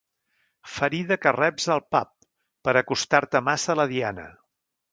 Ferida que reps al pub, per acostar-te massa a la Diana.